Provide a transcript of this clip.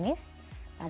gue sudah nangis